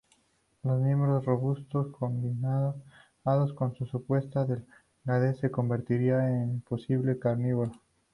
Los miembros robustos, combinados con su supuesta delgadez, lo convertía en un posible carnívoro.